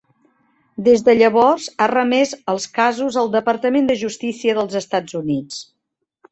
Des de llavors, ha remès els casos al Departament de Justícia dels Estats Units.